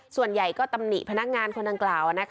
ส่วนใหญ่ก็ตำหนิพนักงานคนดังกล่าว